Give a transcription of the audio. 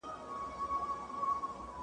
زه یې نه سمه لیدلای چي ستا ښکار وي